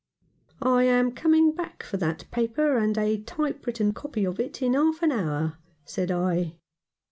" I am coming back for that paper and a type written copy of it in half an hour," said I.